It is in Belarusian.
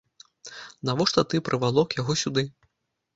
Навошта ты прывалок яго сюды?